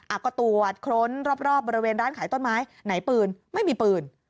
อ่ะก็ตรวจค้นรอบบริเวณร้านขายต้นไม้ไหนปืนไม่มีปืน